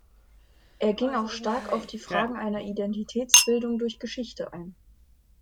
Er ging auch stark auf die Fragen einer Identitätsbildung durch Geschichte ein.